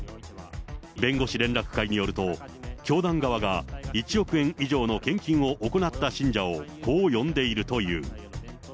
弁護士連絡会によると、教団側が１億円以上の献金を行った信者をこう呼んでいるという。